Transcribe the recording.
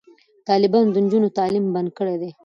طالبانو د نجونو تعلیم بند کړی دی.